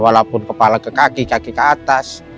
walaupun kepala ke kaki kaki ke atas